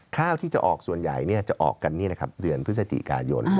แต่ว่ามันก็ต้องเรียนว่าข้าวเนี่ยยังไม่ได้ออก